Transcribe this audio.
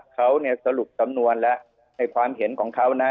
เขาเนี่ยสรุปสำนวนแล้วในความเห็นของเขานะ